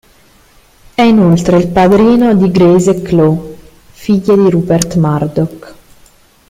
È inoltre il padrino di Grace e Chloe, figlie di Rupert Murdoch.